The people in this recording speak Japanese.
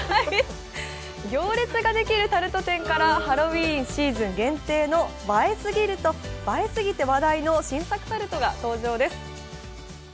行列ができるタルト専門店からハロウィーンシーズン限定、映えすぎて話題の新作タルトが登場です。